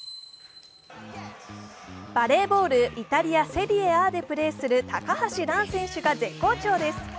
バレーボールイタリア・セリエＡでプレーする高橋藍選手が絶好調です。